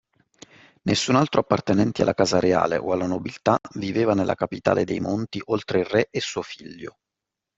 Nessun altro appartenente alla casa reale o alla nobiltà viveva nella capitale dei monti oltre il re e suo figlio